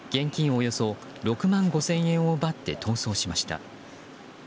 およそ６万５０００円を奪って逃走しました。